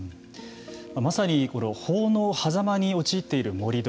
まさに法のはざまに陥っている盛り土。